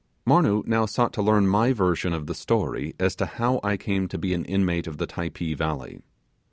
Marnoo now sought to learn my version of the story as to how I came to be an inmate of the Typee valley.